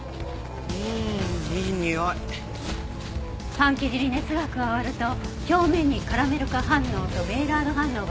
パン生地に熱が加わると表面にカラメル化反応とメイラード反応が起きる事で生じる。